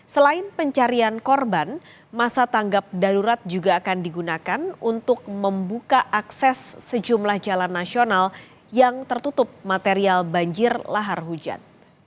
selain pencarian korban masa tanggap darurat juga akan digunakan untuk membuka akses sejumlah jalan nasional yang tertutup material banjir lahar hujan